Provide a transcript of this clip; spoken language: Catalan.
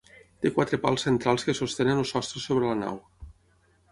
Té quatre pals centrals que sostenen el sostre sobre la nau.